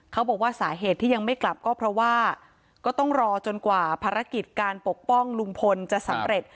เขาบอกว่าสาเหตุที่ยังไม่กลับก็เพราะว่าก็ต้องรอจนกว่าภารกิจการปกป้องลุงพลจะสำเร็จ